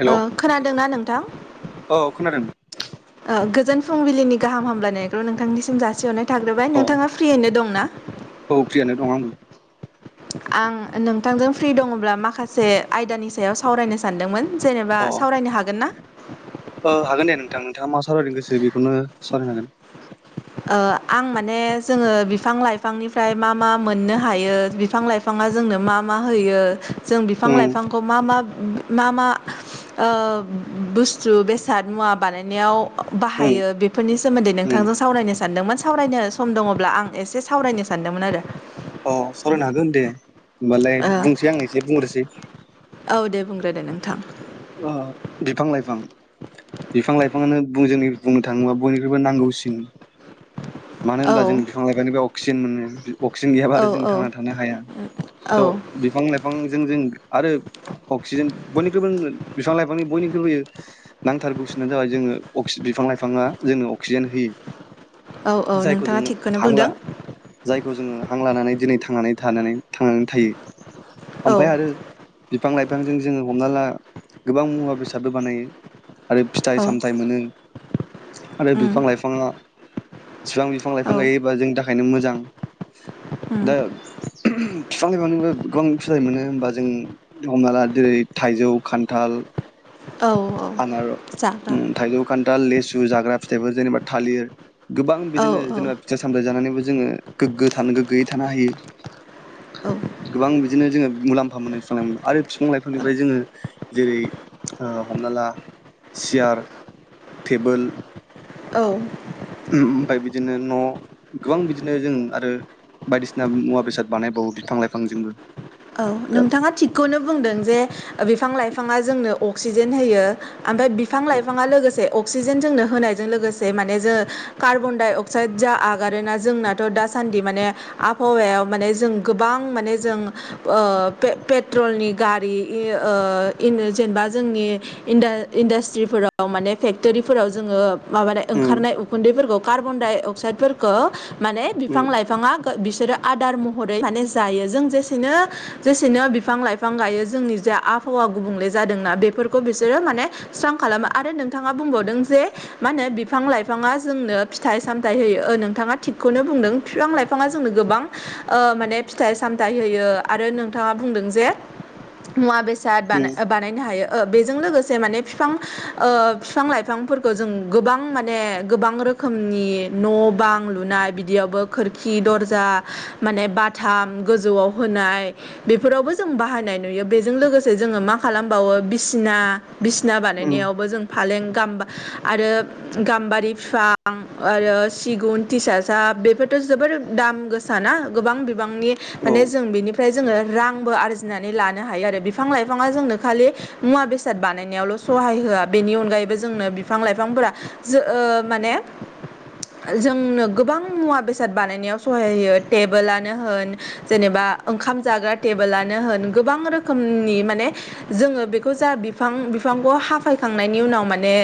Hello खोनादोंना नोंथां औ खोनादों आ गोजोन फुंबिलिनि गाहाम हामलायनायखौ नोंथांनिसिम जासिहरनाय थाग्रोबाय अ नोंथाङा फ्रियैनो दंना? औ प्रियानो दं आंबो आं नोंथांजों फ्रि दङब्ला माखासे आयदानि सायाव सावरायनो सानदोंमोन। जेनेबा सावरायनो हागोन ना? औ हागोन दे नोंथां नोंथाङा मा सावरायनो गोसो बेखौनो सावरायनो हागोन। आ आं माने जोङो बिफां लाइफांनिफ्राय मा मा मोननो हायो बिफां लाइफां जोंनो मा मा होयो जों बिफां उम लाइफांखौ मा मा मा मा आ बुस्थु बेसाद मुवा बानायनायाव उम बाहायो बेफोरनि सोमोन्दै उम नोंथांजों सावरायनो सानदोंमोन सावरायनो सम दङब्ला आं एसे सावरायनो सानदोंमोन आरो। औ सावरायनो हागोन दे होमबालाय ओ बुंसै आं एसे बुंग्रोसै औ दे बुंग्रोदो नोंथां अ बिफां लाइ फां बिफां लाइफाङानो जों बुंनो थाङोब्ला बयनिख्रुइबो नांगौसिन मानो औ होनब्ला जों बिफां लाइफानो बे अक्सिजेन मोनो अक्सिजेन गैयाबा औ आरो जों औ थांना थानो हाया। औ स' बिफां लाइफांजों जों आरो अक्सिजेन बयनिख्रुइबो बिफां लाइफांनि बयनिख्रुइबोयो नांथारगौसिानो जाबाय जोङो अ बिफां लाइफाङा जोंङनो अक्सिजेन होयो। औ औ जायखौ नोंथाङा जोङो थिगखौनो हांला बुंदों जाय खौ जोङो हां लानानै दिनै थांनानै थानानै थांनानै थायो। औ ओमफ्राय आरो बिफां लाइफांजों जोङो हमना ला गोबां मुवा बेसादबो बानायो। आरो फिथाइ औ सामथाइ मोनो आरो उम बिफां लाइफाङा एसेबां बिफां औ लाइफां गायोबा जोंनि थाखायनो मोजां उम दा बिफां लाइफांनिबो गोबां फिथाइ मोनो होमबा जों हमना ला जेरै थाइजौ खान्थाल औ आनार जाग्रा उम थाइजौ खान्थाल लो सु जाग्रा फिथाइफोर जेनेबा थालिर गोबां औ बिदिनो जेनेबा फिथाइ सामथाइ जानानै जोङो गोग्गो थानो गोग्गोयै थानो हायो। औ गोबां बिदिनो जोङो मुलाम्फा मोनो बिफां लाइफां आरो बिफां लाइफांनिफ्राय जोङो जेरै हमना ला सियार टेबोल औ ओमफ्राय बिदिनो न' गोबां बिदिनो जों आरो बायदिसिना मुवा बेसाद बानायबावो बिफां लाइफांजोंबो औ दा नोंथाङा थिगखौनो बुंदों जे बिफां लाइफाङा जोंनो अक्सिजेन होयो ओमफ्राय बिफां उम लाइफाङा लोगोसे अक्सिजेन जोंनो होनायजों लोगोसे माने जोङो कार्बन डाइ अक्साइड जा आगारोना जोंनाथ' दा दासानदि माने आबहावायाव माने जों गोबां माने जों ओ पेट्रलनि गारि ओ जेनेबा जोंनि इन इन्डास्ट्रिफोराव माने फेक्ट'रिफोराव जोङो माबानाय ओंखारनाय उम उखुन्दैफोरखौ कार्बन डाइ अक्साइदफोरखौ माने बिफां लाइफाङा बिसोरो आदार महरै माने जायो जों जे नों जेसेनो बिफां लाइफां गायो जोंनि जे आबहावा गुबुंले जादोंना बेफोरखौ बिसोरो मा ने स्रां खालामो आरो नोंथाङा बुंबावदों जे मा होनो बिफां लाइफाङा जोंनो फिथाइ सामथाइ नोंथाङा थिगखौनो बुंदों बिफां लाइफाङा जोंनो गोबां ओ माने फिथाइ सामथाय होयो आरो नोंथाङा बुंदों जे मुवा बेसाद उम बानायनो हायो बेजों लोगोसे माने फिफां फिफां लाइफांफोरखौ जों गोबां माने गोबां रो रोखोमनि न' बां लुनाय बिदियावबो खोरखि दर्जा माने बाथाम गोजौआव होनाय बेफोरावबो जों बाहायनाय नुयो बेजों लोगोसे जोङो मा खालामबावो बिसिना बिसिना उम बानायनायावबो जों फालें आरो गाम्बारि बिफां आरो सिगुन थिसाजाब बे जोबोर दाम गोसाना गोबां बिबांनि औ माने ओमफ्राय जोङो रांबो आरजिनानै लानो हायो बिफां लाइफाङा जोंनो खालि मुवा बेसाद बानायनायाव सहाय होआ बेनि अनगायैबो जोंनो बिफां लाइफांफोरा माने जोंनो गोबां मुवा बेसाद बानायनायाव सहाय होयो टेबोलानो होन जेनेबा ओंखाम जाग्रा टेबोलानो होन गोबां रोखोमनि माने जोङो बेखौ जा बिफां बिफांखौ हाफायखांनायनि उनाव माने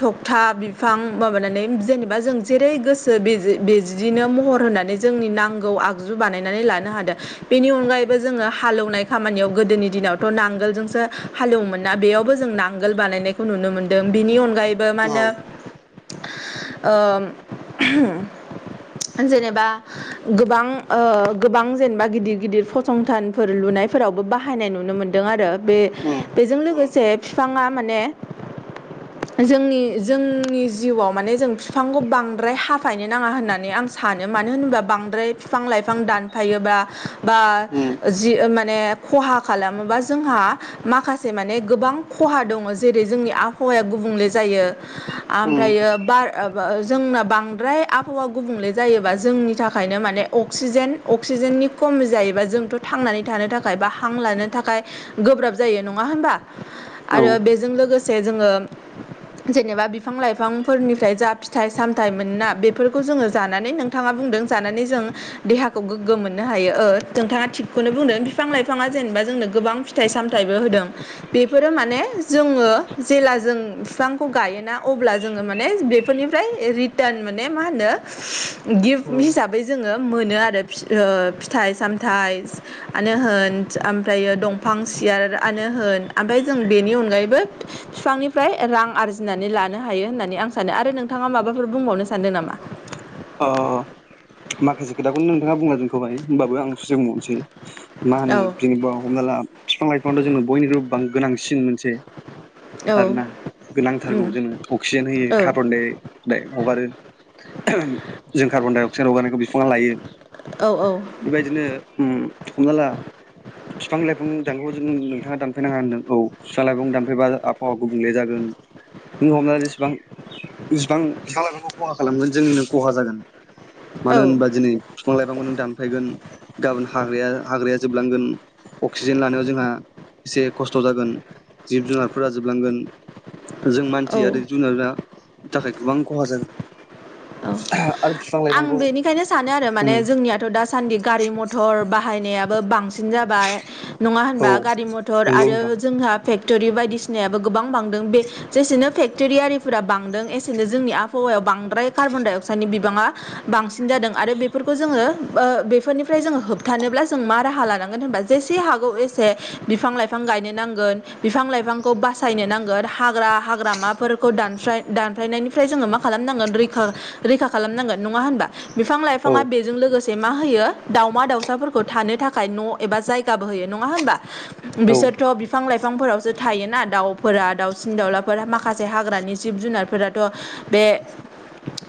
थबथा बिफां माबानानै जेनेबा जों जेरै गोसो बिदिनो महर होनानै जोंनि नांगौ आगजु बानायनानै लानो बेनि अनगायैबो जोङो हालेवनाय खामानियाव गोदोनि दिनावथ' नांगोलजोंसो हालेवो मोन बेयावबो जों नांगोल बानायनायखौ नुनो मोनदों बिनि अनगायैबो मा औ होनो ओ जेनेबा गोबां ओ गोबां जेनेबा गिदिर गिदिर फसंथानफोर लुनायफोरावबो बाहायनाय नुनो मोनदों आरो बे उम बेजों लोगोसे बिफाङा माने जोंनि जोंनि जिउआव माने जों बिफांखौ बांद्राय हाफायनो नाङा होननानै आं सानो मानो होनब्ला बिफां लाइफां थांफायोबा बा उम जि मा खहा खालामोबा जोंहा माखासे माने गोबां खहा दङ जेरै जोंनि आबहाव हाया गुबुंले जायो उम ओमफ्रायो बार जोंना बांद्राय आबहावा गुबुंले जायोबा जोंनि थाखायनो माने अक्सिजेन अक्सिजेननि खम जायोबा जोंथ' थांनानै थानो थाखाय बा हां लानो थाखाय गोब्राब जायो नङा होमबा औ आरो बेजों लोगोसे जोङो जेनेबा बिफां लाइफांफोरनिफ्राय जा फिथाइ सामथाइ मोनोना बेफोरखौ जोङो जानानै नोंथाङा बुंदों जानानै जों देहा गोग्गो मोननो हायो नोंथाङा थिगखौनो बुंदों बिफां लाइफाङा जेनेबा जोंनो गोबां फिथाइ सामथायबो हो दों बेफोरो माने जोङो जेला जों बिफांखौ गायोना अब्ला जोङो माने बेफोरनिफ्राय रिटान माने मा होनो गिफ्ट हिसाबै जोङो मोनो आरो फिथोब फिथाइ सामथाइआनो होन ओमफ्रायो दंफां सियार आनो होन ओमफ्राय जों बेनि अनगायैबो बिफांनिफ्राय रां आरजिनानै लानो हायो होननानै आं सानो आरो नोंथाङा माबाफोर बुंबावनो सानदों नामा? अ माखासे खोथाखौनो नोंथाङा बुंलांजोबखाबाय होमबाबो आं सुसे बुंबावनोसै मा होनो औ जेनेबा हमना ला बिफां लाइफांथ' जोंनो बयनिख्रुइ गोनांसिन मोनसे औ आरोना गोनांथारगौ जोंनो अक्सिजेन होयो कार्बनडा हगारो जों कार्बनडाइ अक्साइड हगारनायखौ बिफाङा लायो औ बेबायदिनो उ हमना ला फिफां-लाइफां [unintelligible] जों नोंथाङा दानफैनाङा होनदों औ फिफां-लाइफां दानफैबा आ अ गुबुंले जागोन नों हमनानै जेसेबां जेसिबां फिफां-लाइफांखौ ख'हा खालामगोन जोंनिनो खहा जागोन औ मानो होनबा दिनै फिफां लाइफांखौ नों दानफायगोन गाबोन हाग्राया हाग्राया जोबलांगोन अक्सिजेन लानायाव जोंहा एसे खस्थ' जागोन जिब-जुनारफोरा जोबलांगोन। जों मानसि आरो जुनारा थाखाय गोबां ख'हा जागोन औ आरो बिफां आं लाइफांखौ बेनिखायनो सानो आरो माने उम जोंनियाथ' दासान्दि गारि मथर बाहायनायाबो बांसिन सिन जाबाय नङा औ होनबा गारि मथर नंगौ आरो नोंथां जोंहा फेक्ट'रि बायदिसिनायाबो गोबां बांदों बे जेसेनो फेक्ट'रि आरिफोरा बांदों एसेनो जोंनि आबहावा याव बांद्राय कार्बनडाइ अक्साइडनि बिबाङा बांसिन जादों आरो बेफोरखौ जोङो ओ बेफोरनिफ्राय जोङो होबथानोब्ला जों मा राहा लानांगोन होनबा जेसे हागौ एसे बिफां-लाइफां गायनो नांगोन बिफां-लाइफांखौ बासायनो नांगोन ग्रा हाग्रामाफोरखौ [unintelligible] दानफायनायनिफ्राय जोङो मा खालामनांगोन रैखा खालामनांगोन नङा होनबा बिफां औ लाइफाङा बेजों लोगोसे से माहोयो दाउमा-दाउसाफोरखौ थानो थाखाय न' एबा जायगाबो होयो नङा होमबा औ बिसोरथ' बिफां-लाइफां बिफांफोरावसो थायोना दाउफोरा दाउसिन-दाउलाफोरा माखासे हाग्रानि जिब-जुनारफोराथ' बे ए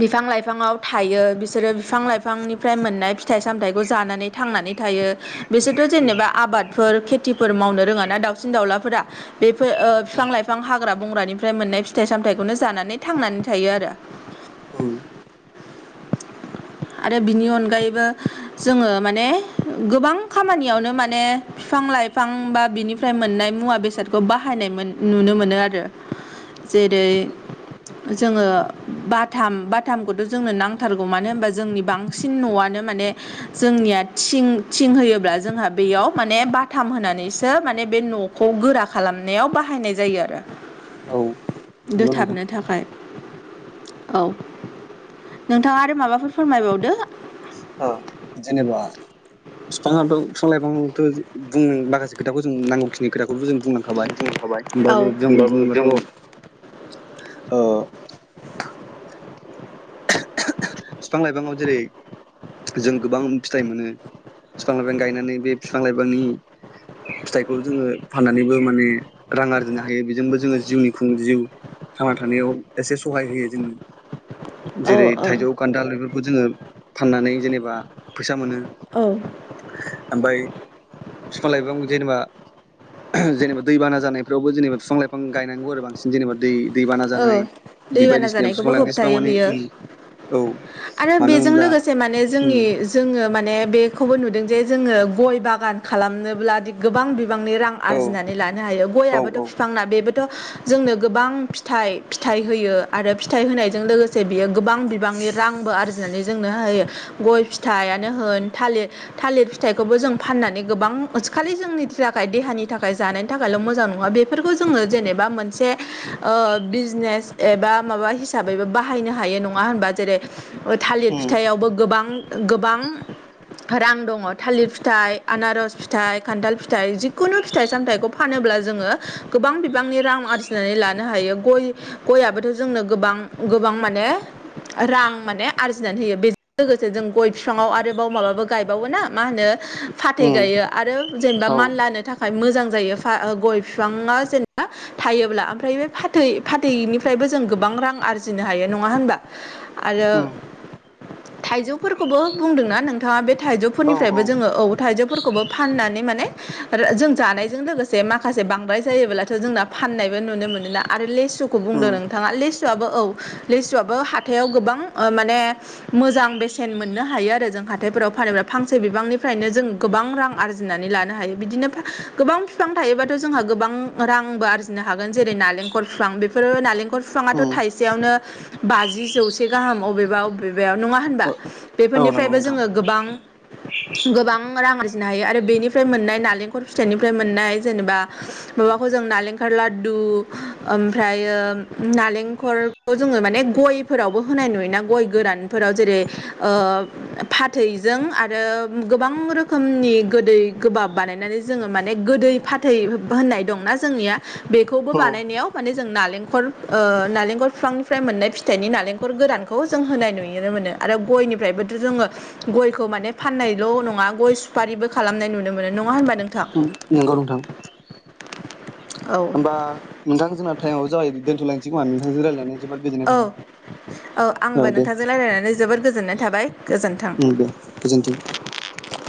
बिफां लाइफांङाव थायो बिसोरो बिफां-लाइफांनिफ्राय मोननाय फिथाइ- सामथायखौ जानानै थांनानै थायो बिसोरथ' जेनेबा आबादफोर खेतिफोर मावनो रोङाना दाउसिन- दाउलाफोरा बेफो ओ फिफां-लाइफां हाग्रा बंग्रानिफ्राय मोननाय फिथाइ-सामथाइखौनो जानानै थांनानै थायो आरो औ [inaudible] आरो बिनि अनगायैबो जोङो माने गोबां खामानियावनो माने फिफां-लाइ फां बा बिनिफ्राय मोननाय मुवा-बेसादखौ बाहायनाय मोन नुनो मोनो आरो जेरै जोङो बाथाम बाथामखौथ' ज जोंनो नांथारगौ मानो होमबा जोंनि बांसिन न'आनो माने जोंनिया थिं थिं होयोब्ला जोंहा बेयाव माने बाथाम होनानैसो मा बे न'खौ गोरा खालामनायाव बाहायनाय जायो आरो औ नंगौ नोंथां दोथाबनो थाखाय औ नोंथाङा आरो माबाफोर फोरमायबावदो ओ जेनेबा फिफाङाथ' फिफां-लाइफाङाथ' बुं माखासे खोथाखौ जों नांगौ खिनि खोथाखौथबो जों बुंलांखाबाय बुंखाबाय होमबाबो जों जों बुंबाथ' ओ फिफां-लाइफाङाव जेरै जों गोबां फिथाइ मोनो फिफांनिफ्रायनो गायनानै बे फिफां लायफांनि फिथाइखौ जोङो फाननानैबो माने रां आरजिनो हायो बेजोंबो जोङो जिउनि खुं जिउ थांना थानायाव एसे सहाय होयो जोंनो औ जेरै औ थाइजौ खान्थाल बेफोरखौ जोङो फाननानै जेनेबा फैसा मोनो औ ओमबाय फिफां-लाइफांखौ जेनेबा जेनेबा दैबाना जानायफ्रावबो जेनेबा फिफां-लाइफां गायनांगौ आरो बांसिन जेनेबा दै दैबाना औ जानाय बे दैबाना बायदिसिना बिफां जानायखौबो लाइफां जेसेबां होबथायो। माने बियो औ आरो मानो बेजों होनब्ला लोगोसे माने जोंनि जों माने बेखौबो नुदों जे जोङो गय बागान खालामनोब्लादि गोबां बि बांनि रां औ आरजिनानै लानो हायो औ गयाबोथ' औ फिफांना बेबोथ' जोंनो गोबां थाइ फिथाइ होयो आरो फिथाइ होनायजों लोगोसे बियो गोबां बिबांनि रांबो आरजि नानै जोंनो होयो गय फिथाइयानो होन थालि थालिर फिथाइखौबो जों फाननानै गोबां खालि जोंनि थाखाय देहानि थाखाय जानायनि थाखायल' मोजां नङा बेफोरखौ जोङो जेनेबा मोनसे ओ बिजनेस एबा माबा हिसाबैबो बाहायनो हायो नङा होनबा जेरै ओ थालिर औ फिथाइावबो गोबां गोबां रां दङ'। थालिर फिथाइ आनारस फिथाइ खान्थाल फिथाइ जिखुनु फिथाइ सामथायखौ फानो ब्ला जोङो गोबां बिबांनि रां आरजिनानै लानो हायो। गय गयबोथ' जोंनो गोबां गोबां माने रां माने आरजिनानै होयो। बेजों लोगोसे जों गय फिफाङाव आरोबाव माबाबो गायबावो ना? मा होनो फाथै गायो आरो जेनेबा औ मानलानो थाखाय मोजां जायो फा गय फिफाङा जेनेबा थायोब्ला। ओमफ्राय बे फाथै फाथैनिफ्रायबो जों गोबां रां आरजिनो हायो नङा होनबा आरो थाइजौफोरखौबो बुंदोंना नोंथाङा बे थाइजौफोरनिफ्रायबो औ जोङो औ थाइजौफोरखौबो फाननानै माने जों जानायजों लोगोसे माखासे बांद्राय जायोब्लाथ' जोंना फाननायबो नुनो मोनोना? आरो लेसुखौ बुंदों नोंथाङा ले सुवाबो औ लिसुआबो हाथायाव गोबां माने मोजां बेसेन मोननो हायो आरो जों हाथायफोराव फानोबा फांसे बिबांनिफ्रायनो जों गोबां रां आरजिनानै लानो हायो बिदिनो फां गोबां फिफां बिफां थायोबाथ' जोंहा गोबां रांबो आरजिनो हागोन जेरै नालेंखर खर बिफां बेफोरो नालेंखलर बिफाङाथ' थाइसेयावनो बाजि जौसे गाहाम बबेबा बबेबायाव नङा होनबा औ नंगौ बेफोरनिफ्रायबो नोंथां जोङो गोबां [inaudible] गोबां रां आरजिनो हायो आरो बेनिफ्राय मोननाय नालेंखर फिथाइनिफ्राय मोननाय जेनेबा माबाखौ ज जों नालेंखल लादु ओमफ्रायो नालेंखलखौ जोङो माने गयफोरावबो होनाय नुयोना गय गोरानफोर व जेरै ओ फाथैजों आरो गोबां रोखोमनि गोदै गोबाब बानायनानै जोङो माने गोदै फाथै होननाय दंना जोंनिया बेखौबो औ बानायनायाव माने जों नालेंखर ओ नालेंखर बिफांनिफ्राय मोननाय फिथाइनि नालेंखर गोरानखौ जों होनाय नुयोमोन। मोन आरो गयनिफ्रायबोथ' जोङो गयखौ माने फाननायल' नङा गय सुफारिबो खालामनाय नुनो मोनो। मोनो नङा होनबा नोंथां नंगौ नोंथां [inaudible] होमबा नोंथां जोंना टाइमाबो जाबाय दोनथ'लायनोसै खोमा नोंथांजों रायजायनानै जोबोर गोजोननाय औ थाबाय। औ आंबो दे नोंथांजों रायज्लायनानै जोबोर गोजोननाय थाबाय गोजोन्थों। दथ [inaudible]